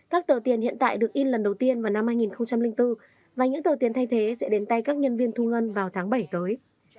các tờ tiền hiện tại được in lần đầu tiên vào năm hai nghìn bốn và những tờ tiền thay thế sẽ đến tay các nhân viên thu ngân vào tháng bảy tới